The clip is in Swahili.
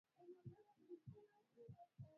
Embe limeiva